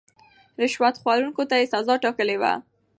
رشوت خوړونکو ته يې سزا ټاکلې وه.